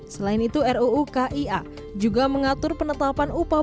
selain itu ruu kia juga mengatur penetapan upah